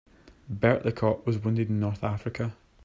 Bert the cop was wounded in North Africa.